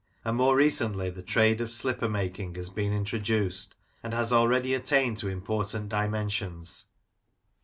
And more recently, the trade of slipper making has been introduced, and has already attained to important dimensions.